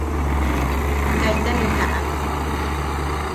Kaita ne taʼan.